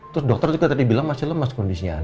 terus dokter juga tadi bilang masih lemas kondisinya